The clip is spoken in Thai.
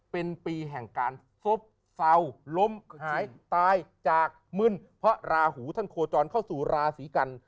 เป็นปีแห่งการซบเศร้าล้มหายตายจากมึนเพราะราหูท่านโคจรเข้าสู่ราศีกัน